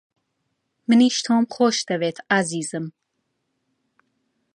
منیش تۆم خۆش دەوێت، ئازیزم.